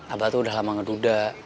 apa tuh udah lama ngeduda